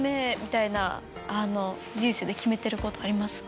人生で決めてることありますか？